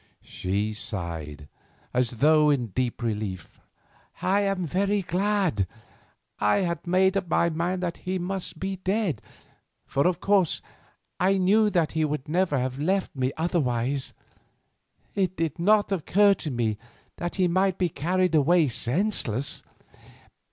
She sighed, as though in deep relief. "I am very glad. I had made up my mind that he must be dead, for of course I knew that he would never have left me otherwise. It did not occur to me that he might be carried away senseless.